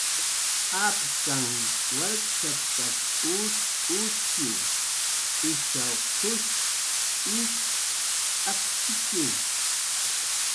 Apkanh warkshatkas us uski, ishaw qus inkps akkitxi